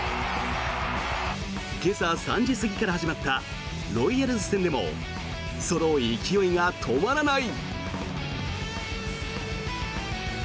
今朝３時過ぎから始まったロイヤルズ戦でもその勢いが止まらない。